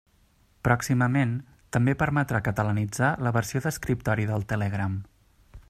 Pròximament, també permetrà catalanitzar la versió d'escriptori del Telegram.